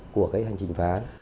của cái hành trình phá